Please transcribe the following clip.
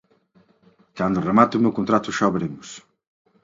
Cando remate o meu contrato xa veremos.